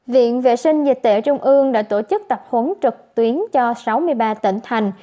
viện vệ sinh dịch tễ trung ương đã tổ chức tập huấn trực tuyến cho sáu mươi ba tỉnh thành